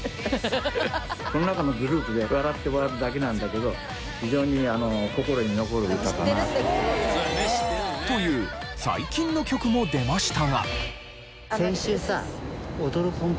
この中のグループで笑って終わるだけなんだけど。という最近の曲も出ましたが。